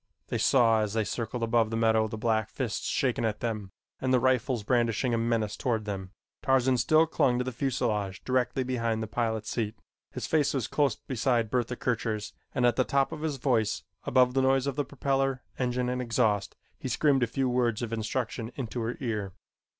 They saw as they circled above the meadow the black fists shaken at them, and the rifles brandishing a menace toward them. Tarzan still clung to the fuselage directly behind the pilot's seat. His face was close beside Bertha Kircher's, and at the top of his voice, above the noise of propeller, engine and exhaust, he screamed a few words of instruction into her ear.